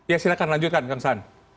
ya silakan lanjutkan kang san